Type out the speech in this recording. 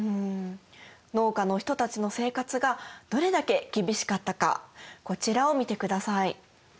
農家の人たちの生活がどれだけ厳しかったかこちらを見てください。